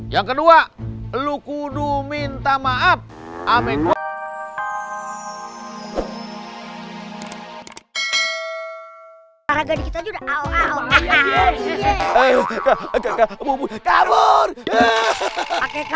yang kedua lu kudu minta maaf sama gue dan anak anak gue